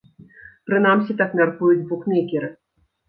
Прынамсі, так мяркуюць букмекеры.